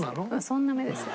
そんな目ですよ。